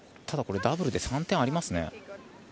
ただ、ダブルでこれ、３点ありますね。